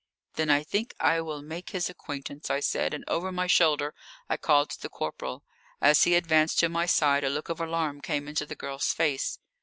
"Then I think I will make his acquaintance," I said, and over my shoulder I called to the corporal. As he advanced to my side, a look of alarm came into the girl's face.